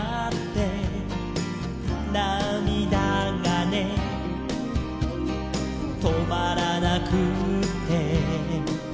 「なみだがねとまらなくって」